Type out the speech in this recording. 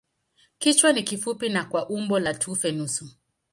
Kichwa ni kifupi na kwa umbo la tufe nusu.